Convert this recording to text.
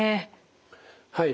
はい。